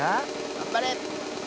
がんばれ！